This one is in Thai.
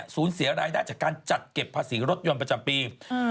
สูญเสียรายได้จากการจัดเก็บภาษีรถยนต์ประจำปี